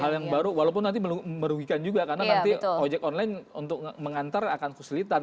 hal yang baru walaupun nanti merugikan juga karena nanti ojek online untuk mengantar akan kesulitan